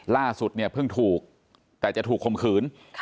ล่าสุดเนี่ยเพิ่งถูกแต่จะถูกคมขืน